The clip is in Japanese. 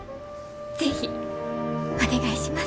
是非お願いします！